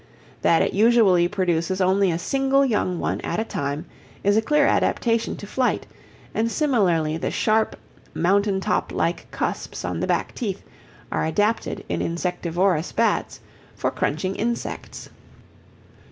That it usually produces only a single young one at a time is a clear adaptation to flight, and similarly the sharp, mountain top like cusps on the back teeth are adapted in insectivorous bats for crunching insects.